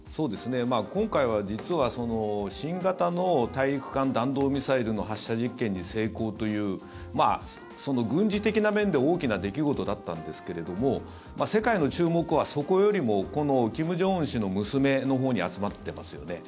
今回は実は新型の大陸間弾道ミサイルの発射実験に成功という軍事的な面で大きな出来事だったんですけれど世界の注目はそこよりもこの金正恩氏の娘のほうに集まってますよね。